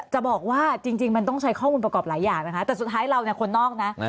จะบอกว่าจริงมันต้องใช้ข้อมูลประกอบหลายอย่างนะคะแต่สุดท้ายเราเนี่ยคนนอกนะ